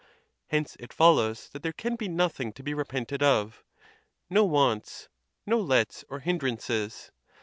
Hence it fol lows that there can be nothing to be repented of, no'wants, no lets or hinderances.